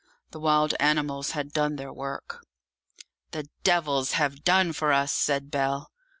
The wild animals had done their work. "The devils have done for us!" said Bell.